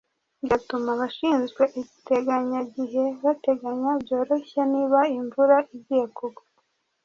bigatuma abashinzwe iteganyagihe bateganya byoroshye niba imvura igiye kugwa